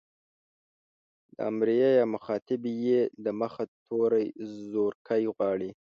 د امريه يا مخاطبې ئ د مخه توری زورکی غواړي.